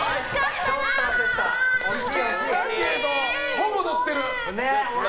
ほぼ乗ってる。